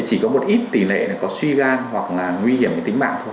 chỉ có một ít tỷ lệ là có suy gan hoặc là nguy hiểm tính mạng thôi